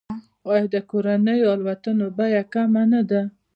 آیا د کورنیو الوتنو بیه کمه نه ده؟